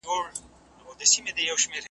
او په باریکیو یوازي باریک بین خلک پوهیږي